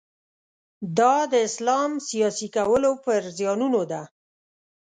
دا د اسلام سیاسي کولو پر زیانونو ده.